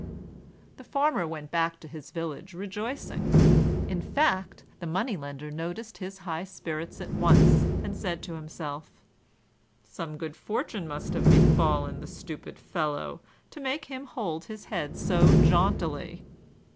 The Farmer went back to his village rejoicing. In fact, the Money lender noticed his high spirits at once, and said to himself, "Some good fortune must have befallen the stupid fellow, to make him hold his head so jauntily."